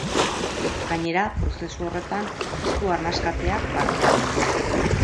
Gainera, prozesu horretan ez du arnas kateak parte hartzen.